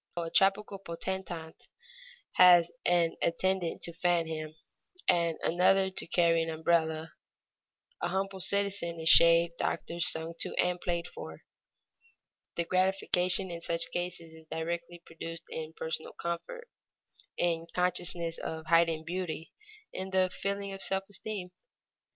A tropical potentate has an attendant to fan him, and another to carry an umbrella; a humble citizen is shaved, doctored, sung to, and played for. The gratification in such cases is directly produced in personal comfort, in the consciousness of heightened beauty, in the feeling of self esteem.